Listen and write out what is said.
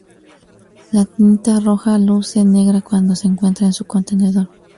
La tinta roja luce negra cuando se encuentra en su contenedor.